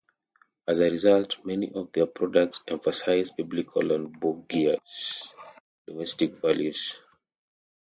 As a result, many of their products emphasized Biblical and bourgeois domestic values.